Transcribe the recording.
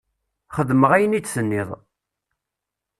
Xedmeɣ ayen i d-tenniḍ.